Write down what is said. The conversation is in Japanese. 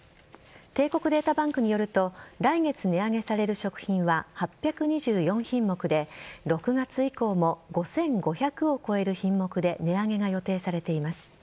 帝国データバンクによると来月値上げされる食品は８２４品目で６月以降も５５００を超える品目で値上げが予定されています。